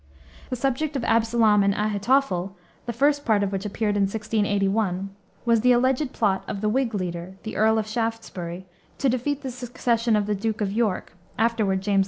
The subject of Absalom and Ahitophel the first part of which appeared in 1681 was the alleged plot of the Whig leader, the Earl of Shaftesbury, to defeat the succession of the Duke of York, afterward James II.